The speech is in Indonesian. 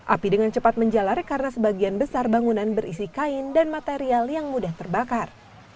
api dengan cepat menjalar karena sebagian besar bangunan berisi kain dan material yang mudah terbakar